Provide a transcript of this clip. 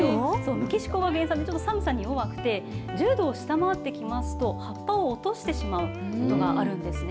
メキシコが原産で、寒さに弱くて、１０度を下回ってきますと、葉っぱを落としてしまうことがあるんですね。